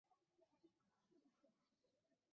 是贝尔垂生涯迄今为止打得最好的一个赛季。